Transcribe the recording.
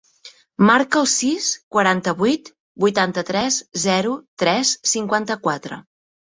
Marca el sis, quaranta-vuit, vuitanta-tres, zero, tres, cinquanta-quatre.